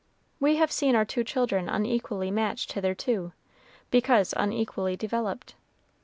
We have seen our two children unequally matched hitherto, because unequally developed.